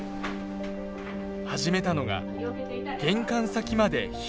始めたのが玄関先まで避難。